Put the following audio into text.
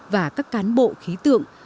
và các cán bộ khí tượng